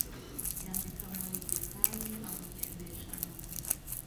yambika Moridekayi amugendesha mu nzira